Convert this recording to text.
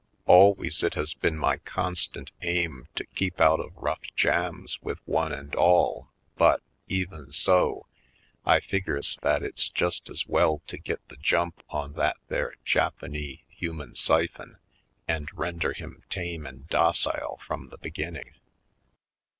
Always it has been my con 98 /. Poindexter^ Colored stant aim to keep out of rough jams with one and all but, even so, I figures that it's just as well to get the jump on that there Japanee human siphon and render him tame and docile from the beginning.